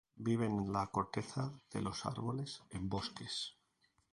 Viven en la corteza de los árboles en bosques.